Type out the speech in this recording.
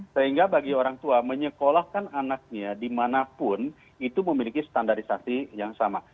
sehingga bagi orang tua menyekolahkan anaknya dimanapun itu memiliki standarisasi yang sama